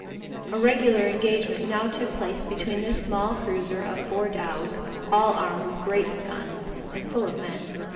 A regular engagement now took place between this small cruiser and four dows, all armed with great guns, and full of men.